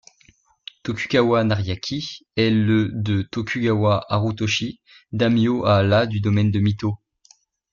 Tokugawa Nariaki est le de Tokugawa Harutoshi, daimyo à la du domaine de Mito.